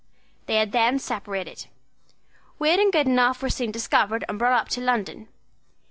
They had then separated. Wade and Goodenough were soon discovered and brought up to London.